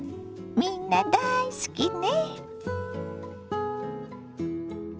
みんな大好きね。